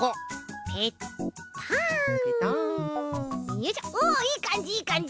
よいしょおいいかんじいいかんじ！